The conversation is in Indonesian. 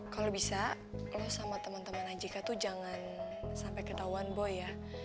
kalau bisa lo sama temen temen ajika tuh jangan sampai ketauan boy ya